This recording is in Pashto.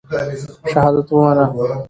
شهادت ومنه.